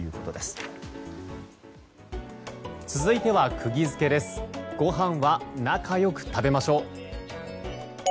ごはんは仲良く食べましょう。